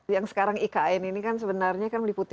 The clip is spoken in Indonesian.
yang sekarang ikn ini kan sebenarnya kan meliputi